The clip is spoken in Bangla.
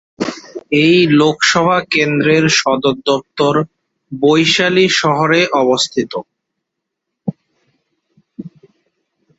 এই লোকসভা কেন্দ্রের সদর দফতর বৈশালী শহরে অবস্থিত।